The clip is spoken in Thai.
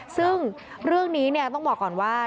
ซึ่งเรื่องนี้ต้องบอกก่อนว่า